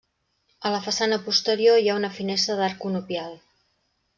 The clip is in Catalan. A la façana posterior hi ha una finestra d'arc conopial.